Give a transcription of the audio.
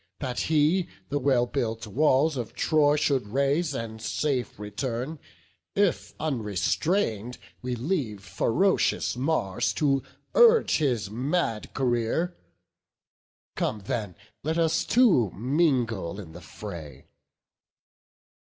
That he the well built walls of Troy should raze, And safe return, if unrestrain'd we leave Ferocious Mars to urge his mad career. Come then; let us too mingle in the fray."